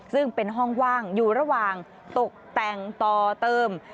ซึ่งเป็นห้องว่างอยู่ระหว่างตกแต่งต่อเติม